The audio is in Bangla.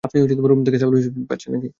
আপনি কি রুম সার্ভিস থেকে বলছেন?